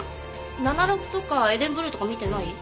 『７６』とか『エデンブルー』とか見てない？